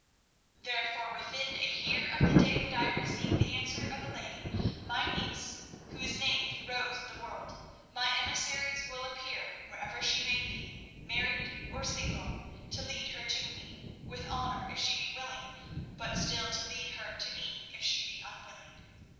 "Therefore, within a year of the day that I receive the answer of the lady, my niece, who is named Rose of the World, my emissaries will appear wherever she may be, married or single, to lead her to me, with honour if she be willing, but still to lead her to me if she be unwilling.